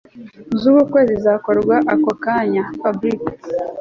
zubukwe zizakorwaAko kanya Fabric